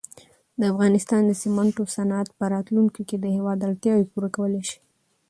د افغانستان د سېمنټو صنعت په راتلونکي کې د هېواد اړتیاوې پوره کولای شي.